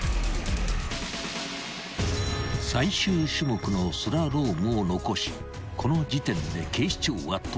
［最終種目のスラロームを残しこの時点で警視庁はトップ］